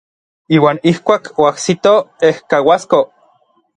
Iuan ijkuak oajsitoj ejkauasko.